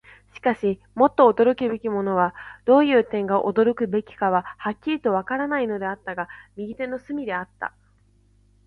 しかし、もっと驚くべきものは、どういう点が驚くべきかははっきりとはわからなかったのだが、右手の隅であった。